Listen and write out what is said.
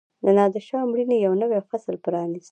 د نادرشاه مړینې یو نوی فصل پرانیست.